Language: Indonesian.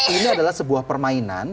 ini adalah sebuah permainan